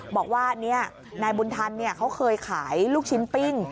บอกว่านายบุญธรรมเขาเคยขายลูกชิ้นปิ้ง